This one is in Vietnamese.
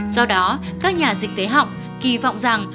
do đó các nhà dịch tế học kỳ vọng rằng